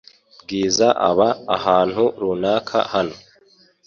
Bwiza aba ahantu runaka hano .